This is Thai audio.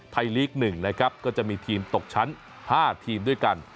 ลีก๑นะครับก็จะมีทีมตกชั้น๕ทีมด้วยกัน